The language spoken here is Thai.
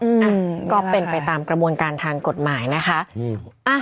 อืมอ่ะก็เป็นไปตามกระบวนการทางกฎหมายนะคะอืมอ่ะ